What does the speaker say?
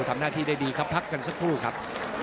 ทำหน้าที่ได้ดีครับพักกันสักครู่ครับ